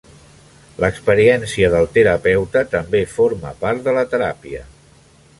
L'experiència del terapeuta també forma part de la teràpia.